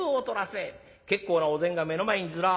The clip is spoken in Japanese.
結構なお膳が目の前にずらっ。